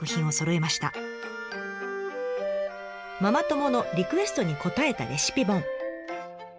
ママ友のリクエストに応えたレシピ本。